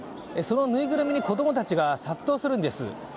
そのぬいぐるみに子供たちが殺到するんです。